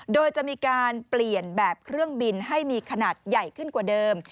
โดยจะมีการเปลี่ยนแบบเครื่องบินให้มีขนาดใหญ่ขึ้นกว่าเดิม